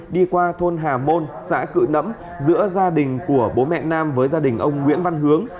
đi qua thôn hà môn xã cự nẫm giữa gia đình của bố mẹ nam với gia đình ông nguyễn văn hướng